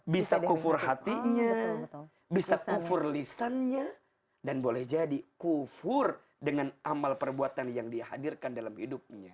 bisa kufur hatinya bisa kufur lisannya dan boleh jadi kufur dengan amal perbuatan yang dihadirkan dalam hidupnya